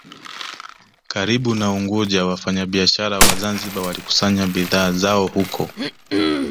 karibu na Unguja Wafanyabiashara wa Zanzibar walikusanya bidhaa zao huko